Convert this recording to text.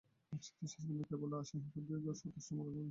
আজ হইতে শেষ পর্যন্ত কেবলই আশাহীন সুদীর্ঘ সতৃষ্ণ মরুভূমি।